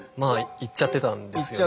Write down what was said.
言っちゃってたんです。